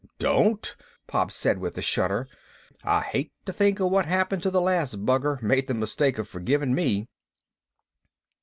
"Don't!" Pop said with a shudder. "I hate to think of what happened to the last bugger made the mistake of forgiving me."